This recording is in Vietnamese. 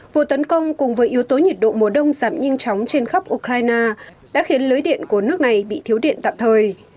vụ tấn công cùng với yếu tố nhiệt độ mùa đông giảm nhanh chóng trên khắp ukraine đã khiến lưới điện của nước này bị thiếu điện tạm thời